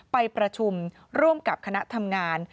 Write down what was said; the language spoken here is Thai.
ไปประชุมร่วมกับคณะทำงาน